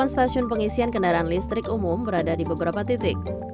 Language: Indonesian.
delapan stasiun pengisian kendaraan listrik umum berada di beberapa titik